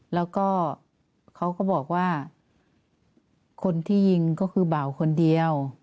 แล้วก็เขาก็บอกว่าคนที่ยิงก็คือเบาคนเดียว